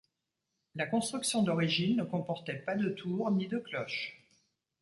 La construction d'origine ne comportait pas de tour ni de cloches.